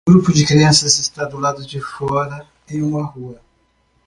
Um grupo de crianças está do lado de fora em uma rua.